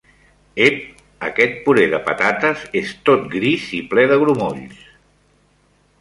Ep! Aquest puré de patates és tot gris i ple de grumolls!